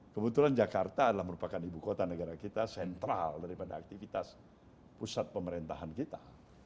kebetulan jakarta adalah merupakan ibu kota negara kita sentral daripada aktivitas pusat pemerintahan kita